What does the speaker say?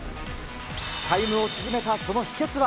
タイムを縮めたその秘けつは、